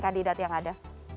kandidat yang ada